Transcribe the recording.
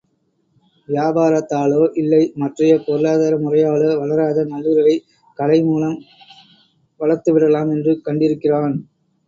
வியாபாரத்தாலோ, இல்லை மற்றைய பொருளாதார முறையாலோ வளராத நல்லுறவை, கலை மூலம் வளர்த்துவிடலாம் என்று கண்டிருக்கிறான்.